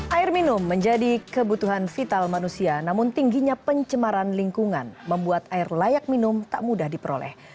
air minum menjadi kebutuhan vital manusia namun tingginya pencemaran lingkungan membuat air layak minum tak mudah diperoleh